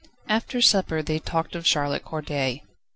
After supper they talked of Charlotte Corday.